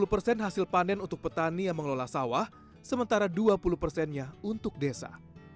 lima puluh persen hasil panen untuk petani yang mengelola sawah sementara dua puluh persennya untuk desa